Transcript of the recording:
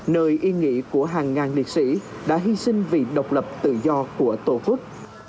nơi y nghĩ của hàng ngàn liệt sĩ đã hy sinh vì độc lập tự do của tổ quốc